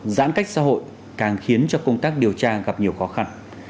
giãn cách xã hội càng khiến cho công tác điều tra gặp nhiều khó khăn